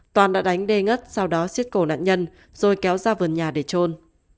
toàn đã đánh đê ngất sau đó xiết cổ nạn nhân rồi kéo ra vườn nhà để trôn